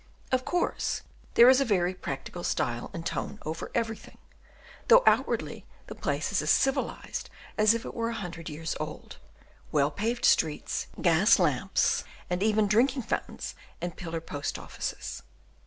Of course there is a very practical style and tone over everything, though outwardly the place is as civilized as if it were a hundred years old; well paved streets, gas lamps, and even drinking fountains and pillar post offices!